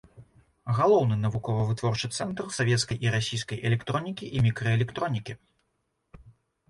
Галоўны навукова-вытворчы цэнтр савецкай і расійскай электронікі і мікраэлектронікі.